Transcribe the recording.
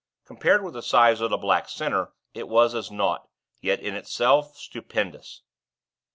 Compared with the size of the black center, it was as naught; yet, in itself, stupendous.